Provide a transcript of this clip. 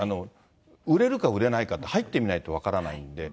売れるか売れないかって、入ってみないと分からないんで。